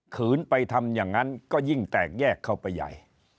ขืนไปทำอย่างนั้นก็ยิ่งแตกแยกเข้าไปใหญ่